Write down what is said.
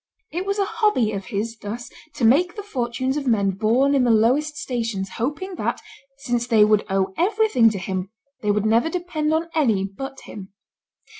It was a hobby of his thus to make the fortunes of men born in the lowest stations, hoping that, since they would owe everything to him, they would never depend on any but him.